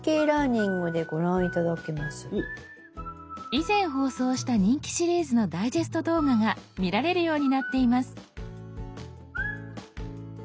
以前放送した人気シリーズのダイジェスト動画が見られるようになっています。